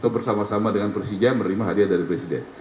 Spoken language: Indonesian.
bersama sama dengan persija menerima hadiah dari presiden